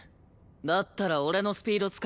だったら俺のスピード使えよ。